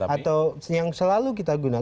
atau yang selalu kita gunakan